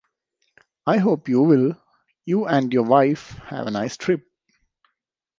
I hope you will, you and your wife, have a nice trip.